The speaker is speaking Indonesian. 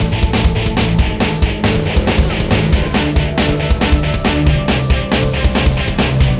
tolong jangan berat